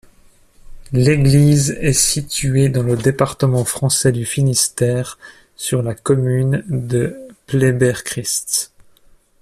L'église est située dans le département français du Finistère, sur la commune de Pleyber-Christ.